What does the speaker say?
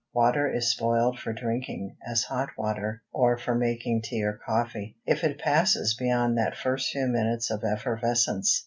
Water is spoiled for drinking, as hot water, or for making tea or coffee, if it passes beyond that first few minutes of effervescence.